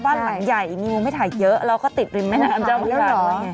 ว่าหลังใหญ่กันไม่ถ่ายเยอะก็ติดริงแม่น้ำขายแล้ว